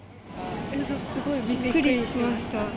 すごいびっくりしました。